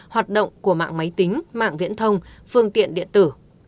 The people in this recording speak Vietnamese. hoạt động của mạng máy tính mạng viễn thông phương tiện điện tử